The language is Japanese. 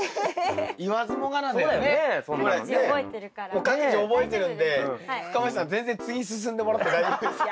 もう各自覚えてるんで深町さん全然次進んでもらって大丈夫ですよ。